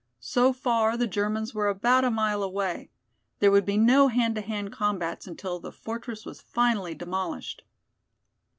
So far the Germans were about a mile away. There would be no hand to hand combats until the fortress was finally demolished.